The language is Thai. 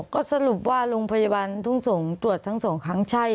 ก็สรุปว่าโรงพยาบาลตรวจทั้งสองครั้งใช่